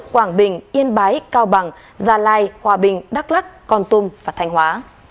quảng bình yên bái cao bằng gia lai hòa bình đắk lắc con tum và thanh hóa